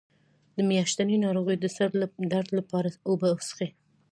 د میاشتنۍ ناروغۍ د سر درد لپاره اوبه وڅښئ